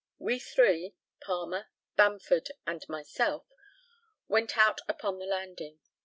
We three (Palmer, Bamford, and myself) went out upon the landing.